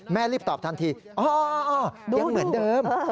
รีบตอบทันทีอ๋อยังเหมือนเดิม